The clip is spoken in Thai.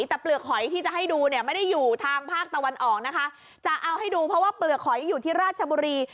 แต่เปลือกหอยที่จะให้ดูเนี่ยไม่ได้อยู่ทางภาคตะวันออกนะคะจะเอาให้ดูเพราะว่าเปลือกหอยอยู่ที่ราชบุรี